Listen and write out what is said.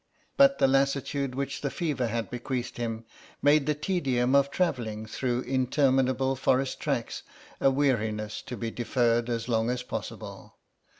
But the lassitude which the fever had bequeathed him made the tedium of travelling through interminable forest tracks a weariness to be deferred as long as possible.